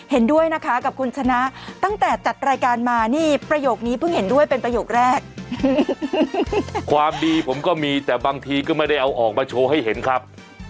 เห็นด้วยนะคะกับคุณชนะตั้งแต่จัดรายการมานี่ประโยคนี้เพิ่งเห็นด้วยเป็นประโยคแรกความดีผมก็มีแต่บางทีก็ไม่ได้เอาออกมาโชว์ให้เห็นครับ